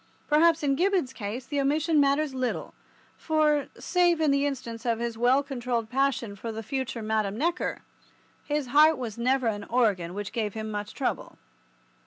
Perhaps in Gibbon's case the omission matters little, for, save in the instance of his well controlled passion for the future Madame Neckar, his heart was never an organ which gave him much trouble.